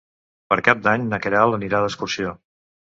Per Cap d'Any na Queralt anirà d'excursió.